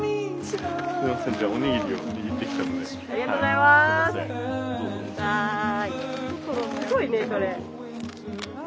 すごいねこれ。